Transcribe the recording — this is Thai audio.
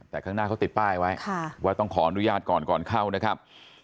แต่ข้างหน้าเขาติดป้ายไว้ว่าต้องขออนุญาตก่อนก่อนเข้านะครับ